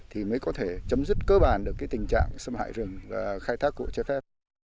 thì mới có thể chấm dứt cơ bản được tình trạng xâm hại rừng và khai thác của chế phép